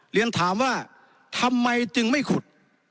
เรียนถามว่าทำไมจึงไม่ขุด